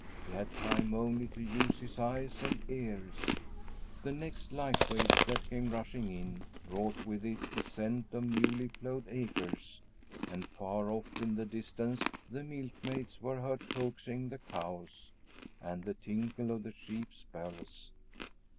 He had time only to use his eyes and ears. The next light wave that came rushing in brought with it the scent of newly ploughed acres, and far off in the distance the milkmaids were heard coaxing the cows and the tinkle of the sheep's bells.